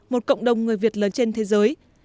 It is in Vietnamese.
một cộng đồng người việt lớn trên thế giới